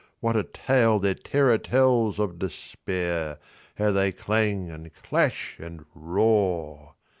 What a tale their terror tells Of Despair! How they clang, and clash, and roar!